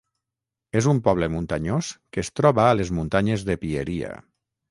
És un poble muntanyós que es troba a les muntanyes de Pieria.